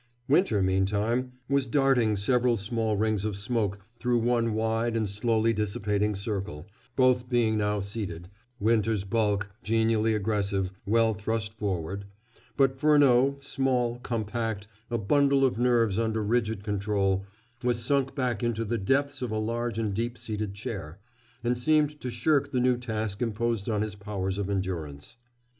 Winter, meantime, was darting several small rings of smoke through one wide and slowly dissipating circle, both being now seated, Winter's bulk, genially aggressive, well thrust forward but Furneaux, small, compact, a bundle of nerves under rigid control, was sunk back into the depths of a large and deep seated chair, and seemed to shirk the new task imposed on his powers of endurance.